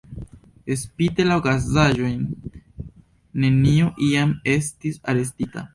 Spite la okazaĵojn, neniu iam estis arestita.